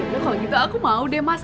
loh kalau gitu aku mau deh mas